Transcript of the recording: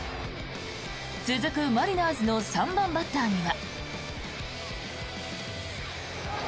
続く、マリナーズの３番バッターには。